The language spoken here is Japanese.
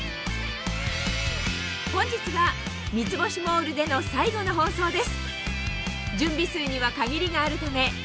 本日が『三ツ星モール』での最後の放送です